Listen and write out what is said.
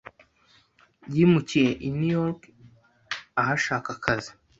Yimukiye i New York, ahashaka akazi.